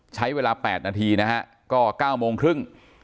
ใช้เวลา๘นาทีนะฮะก็๙โมงครึ่ง